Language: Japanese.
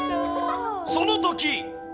そのとき。